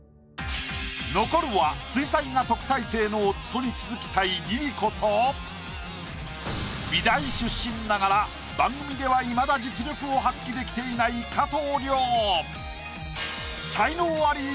残るは水彩画特待生の夫に続きたいＬｉＬｉＣｏと美大出身ながら番組ではいまだ実力を発揮できていない加藤諒。